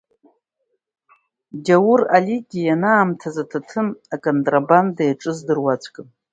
Гьаур Алигьы ианаамҭаз аҭаҭын аконтрабанда иаҿыз дыруаӡәкын.